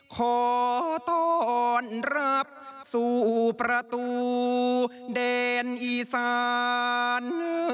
ขอต้อนรับสู่ประตูแดนอีสาน